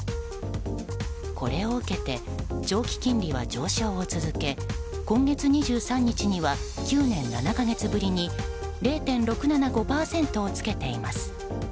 これを受けて長期金利は上昇を続け今月２３日には９年７か月ぶりに０．６７５％をつけています。